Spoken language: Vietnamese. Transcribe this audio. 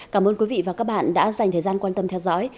cảm ơn quý vị và các bạn đã dành thời gian quan tâm theo dõi